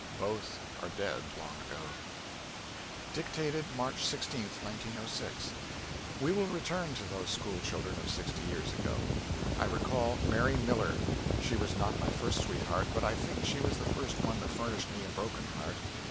Both are dead, long ago. [Sidenote: (1845.)] [Dictated March 16, 1906.] We will return to those schoolchildren of sixty years ago. I recall Mary Miller. She was not my first sweetheart, but I think she was the first one that furnished me a broken heart.